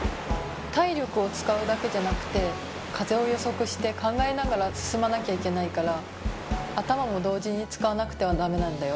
体力を使うだけじゃなくて風を予測して考えながら進まなきゃいけないから頭も同時に使わなくてはダメなんだよ。